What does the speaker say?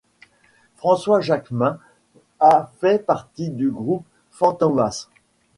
François Jacqmin a fait partie du groupe Phantomas.